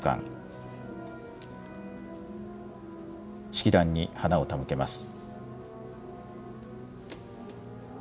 式壇に花を手向けます。